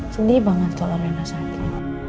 sedih banget kalau rina sakit